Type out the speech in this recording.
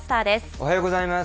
おはようございます。